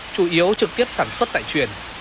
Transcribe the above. chủ yếu trực tiếp sản xuất tại truyền